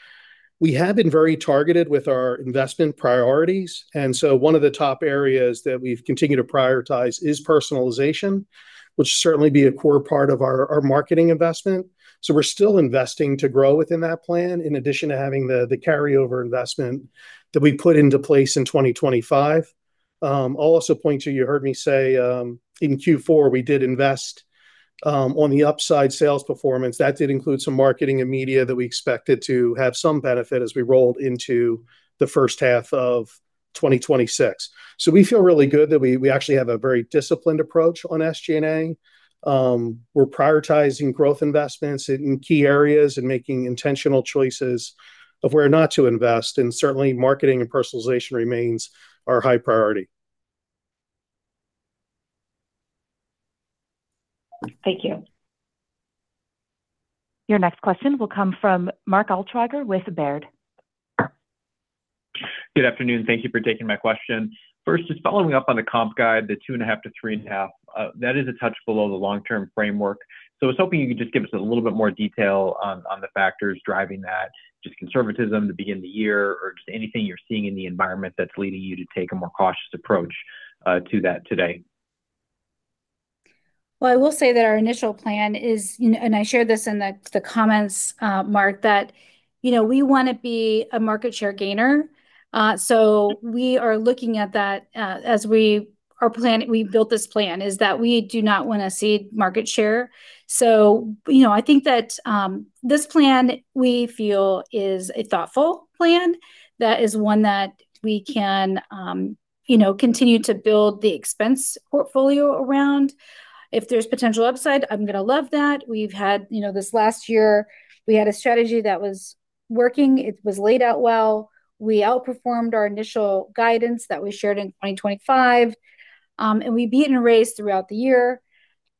We have been very targeted with our investment priorities, and so one of the top areas that we've continued to prioritize is personalization, which will certainly be a core part of our marketing investment. We're still investing to grow within that plan in addition to having the carryover investment that we put into place in 2025. I'll also point to you heard me say in Q4 we did invest on the upside sales performance. That did include some marketing and media that we expected to have some benefit as we rolled into the first half of 2026. We feel really good that we actually have a very disciplined approach on SG&A. We're prioritizing growth investments in key areas and making intentional choices of where not to invest. Certainly, marketing and personalization remains our high priority. Thank you. Your next question will come from Mark Altschwager with Baird. Good afternoon. Thank you for taking my question. First, just following up on the comp guide, the 2.5%-3.5%, that is a touch below the long-term framework. I was hoping you could just give us a little bit more detail on the factors driving that. Just conservatism to begin the year or just anything you're seeing in the environment that's leading you to take a more cautious approach to that today. I will say that our initial plan is, you know, and I shared this in the comments, Mark, that, you know, we wanna be a market share gainer. We are looking at that we built this plan such that we do not wanna cede market share. You know, I think that this plan, we feel, is a thoughtful plan that is one that we can, you know, continue to build the existing portfolio around. If there's potential upside, I'm gonna love that. We've had, you know, this last year we had a strategy that was working. It was laid out well. We outperformed our initial guidance that we shared in 2025, and we beat and raised throughout the year.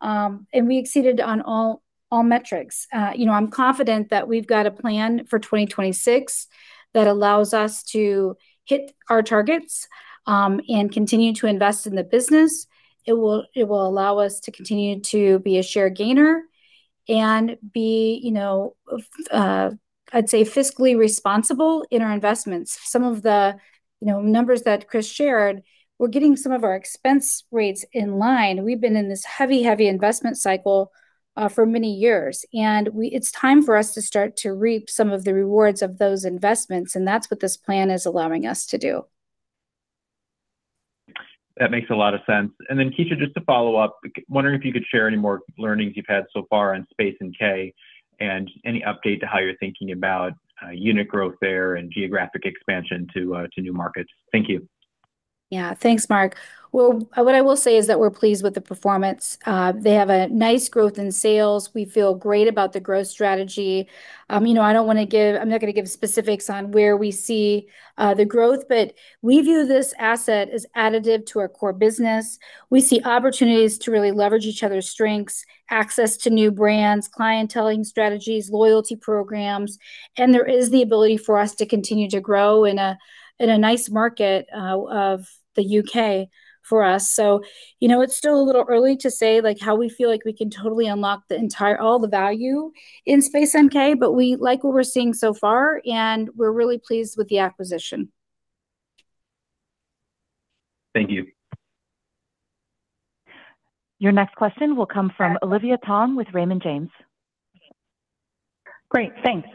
We exceeded on all metrics. You know, I'm confident that we've got a plan for 2026 that allows us to hit our targets and continue to invest in the business. It will allow us to continue to be a share gainer and be, you know, I'd say fiscally responsible in our investments. Some of the, you know, numbers that Chris shared, we're getting some of our expense rates in line. We've been in this heavy investment cycle for many years, and it's time for us to start to reap some of the rewards of those investments, and that's what this plan is allowing us to do. That makes a lot of sense. Kecia, just to follow up, wondering if you could share any more learnings you've had so far on Space NK and any update to how you're thinking about unit growth there and geographic expansion to new markets. Thank you. Yeah. Thanks, Mark. Well, what I will say is that we're pleased with the performance. They have a nice growth in sales. We feel great about the growth strategy. You know, I don't wanna give specifics on where we see the growth, but we view this asset as additive to our core business. We see opportunities to really leverage each other's strengths, access to new brands, clienteling strategies, loyalty programs, and there is the ability for us to continue to grow in a nice market of the UK for us. You know, it's still a little early to say, like, how we feel like we can totally unlock all the value in Space NK, but we like what we're seeing so far, and we're really pleased with the acquisition. Thank you. Your next question will come from Olivia Tong with Raymond James. Great. Thanks.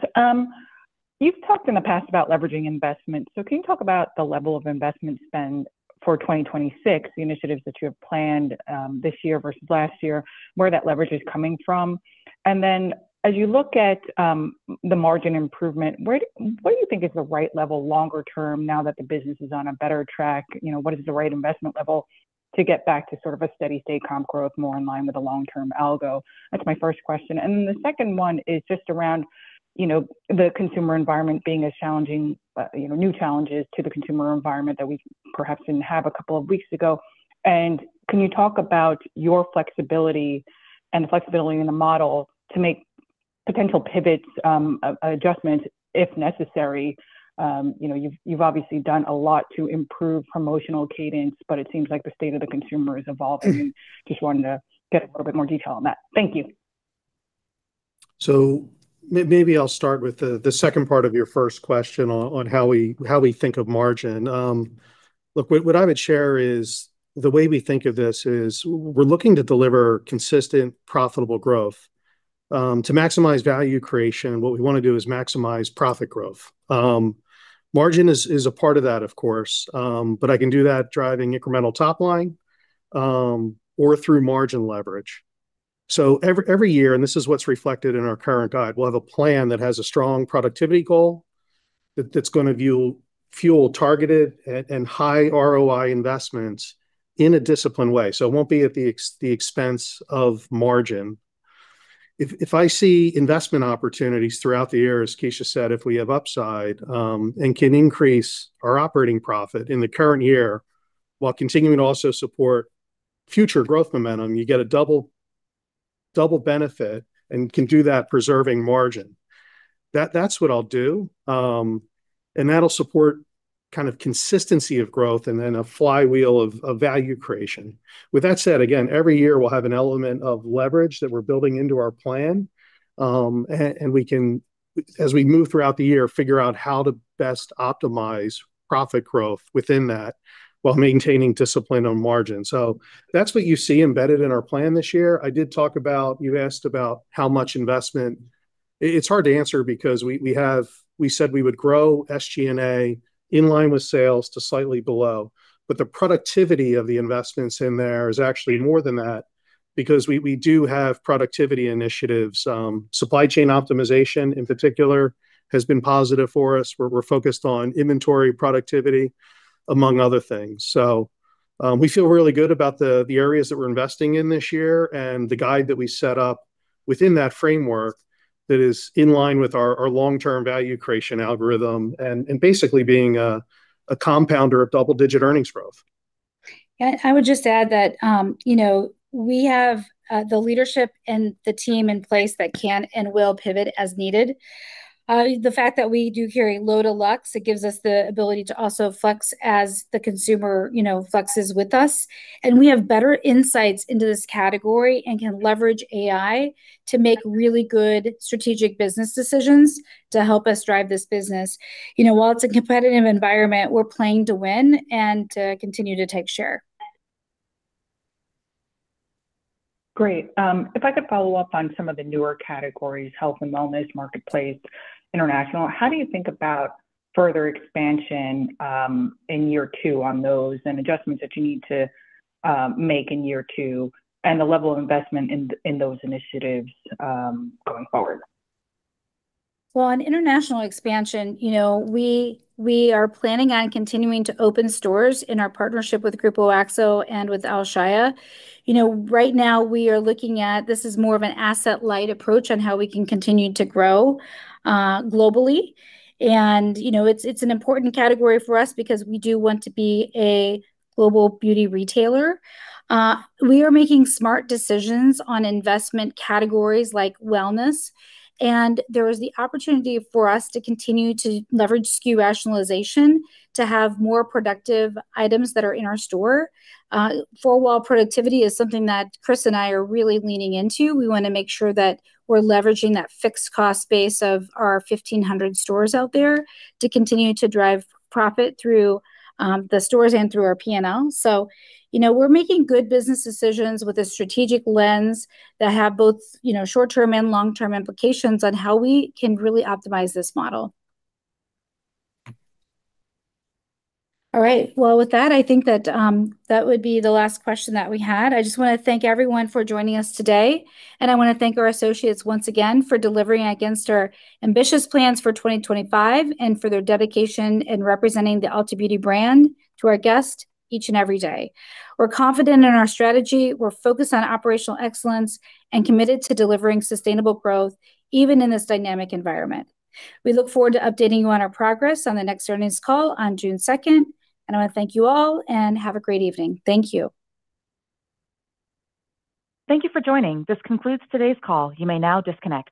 You've talked in the past about leveraging investments. Can you talk about the level of investment spend for 2026, the initiatives that you have planned, this year versus last year, where that leverage is coming from? Then as you look at the margin improvement, what do you think is the right level longer term now that the business is on a better track? You know, what is the right investment level to get back to sort of a steady state comp growth more in line with the long-term algo? That's my first question. Then the second one is just around, you know, the consumer environment being as challenging, you know, new challenges to the consumer environment that we perhaps didn't have a couple of weeks ago. Can you talk about your flexibility and the flexibility in the model to make potential pivots, adjustment if necessary? You know, you've obviously done a lot to improve promotional cadence, but it seems like the state of the consumer is evolving. Just wanted to get a little bit more detail on that. Thank you. Maybe I'll start with the second part of your first question on how we think of margin. Look, what I would share is the way we think of this is we're looking to deliver consistent, profitable growth. To maximize value creation, what we wanna do is maximize profit growth. Margin is a part of that, of course, but I can do that driving incremental top line or through margin leverage. Every year, and this is what's reflected in our current guide, we'll have a plan that has a strong productivity goal that's gonna fuel targeted and high ROI investments in a disciplined way. It won't be at the expense of margin. If I see investment opportunities throughout the year, as Keisha said, if we have upside, and can increase our operating profit in the current year while continuing to also support future growth momentum, you get a double benefit and can do that preserving margin. That's what I'll do. That'll support kind of consistency of growth and then a flywheel of value creation. With that said, again, every year we'll have an element of leverage that we're building into our plan, and we can, as we move throughout the year, figure out how to best optimize profit growth within that while maintaining discipline on margin. That's what you see embedded in our plan this year. I did talk about. You asked about how much investment. It's hard to answer because we said we would grow SG&A in line with sales to slightly below. The productivity of the investments in there is actually more than that because we do have productivity initiatives. Supply chain optimization in particular has been positive for us. We're focused on inventory productivity among other things. We feel really good about the areas that we're investing in this year and the guide that we set up within that framework that is in line with our long-term value creation algorithm and basically being a compounder of double-digit earnings growth. Yeah. I would just add that, you know, we have the leadership and the team in place that can and will pivot as needed. The fact that we do carry a lot of lux, it gives us the ability to also flex as the consumer, you know, flexes with us. We have better insights into this category and can leverage AI to make really good strategic business decisions to help us drive this business. You know, while it's a competitive environment, we're playing to win and to continue to take share. Great. If I could follow up on some of the newer categories, health and wellness, marketplace, international, how do you think about further expansion in year two on those and adjustments that you need to make in year two, and the level of investment in those initiatives going forward? Well, on international expansion, you know, we are planning on continuing to open stores in our partnership with Grupo Axo and with Alshaya. You know, right now we are looking at this is more of an asset light approach on how we can continue to grow globally. You know, it's an important category for us because we do want to be a global beauty retailer. We are making smart decisions on investment categories like wellness, and there is the opportunity for us to continue to leverage SKU rationalization to have more productive items that are in our store. Four-wall productivity is something that Chris and I are really leaning into. We wanna make sure that we're leveraging that fixed cost base of our 1,500 stores out there to continue to drive profit through the stores and through our P&L. You know, we're making good business decisions with a strategic lens that have both, you know, short-term and long-term implications on how we can really optimize this model. All right. Well, with that, I think that would be the last question that we had. I just wanna thank everyone for joining us today, and I wanna thank our associates once again for delivering against our ambitious plans for 2025 and for their dedication in representing the Ulta Beauty brand to our guests each and every day. We're confident in our strategy. We're focused on operational excellence and committed to delivering sustainable growth even in this dynamic environment. We look forward to updating you on our progress on the next earnings call on June second, and I wanna thank you all and have a great evening. Thank you. Thank you for joining. This concludes today's call. You may now disconnect.